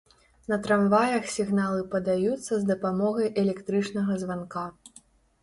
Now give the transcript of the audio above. На трамваях сігналы падаюцца з дапамогай электрычнага званка.